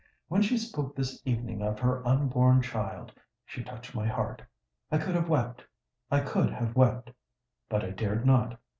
When she spoke this evening of her unborn child, she touched my heart:—I could have wept—I could have wept,—but I dared not!